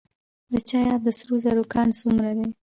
د چاه اب د سرو زرو کان څومره دی؟